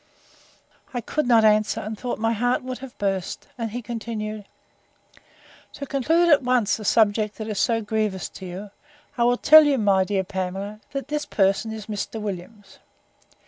I could not answer, and thought my heart would have burst: And he continued, To conclude at once a subject that is so grievous to you, I will tell you, my Pamela, that this person is Mr. Williams.